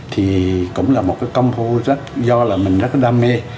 thì cũng là một cái công phu do là mình rất là đam mê